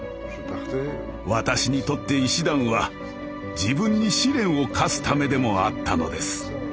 私にとって医師団は自分に試練を課すためでもあったのです。